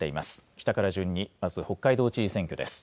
北から順に、まず、北海道知事選挙です。